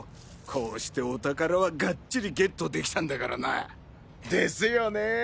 こうしてお宝はがっちりゲットできたんだからな。ですよね！